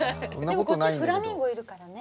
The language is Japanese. こっちフラミンゴいるからね。